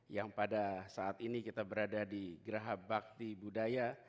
yang pada saat ini kita berada di geraha bakti budaya